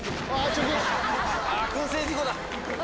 くん製事故だ。